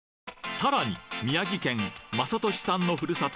さらに宮城県雅俊さんのふるさと